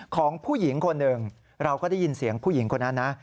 ของผู้หญิงคนหนึ่งเราก็ได้ยินเสียงผู้หญิงคนนั้นนะ